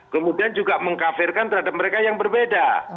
kemudian juga mengkafirkan terhadap mereka yang berbeda